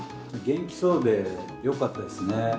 元気そうでよかったですね。